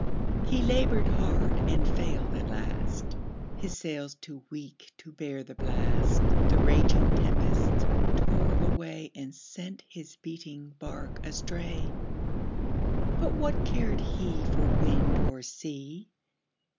He labored hard and failed at last, His sails too weak to bear the blast, The raging tempests tore away And sent his beating bark astray. But what cared he For wind or sea!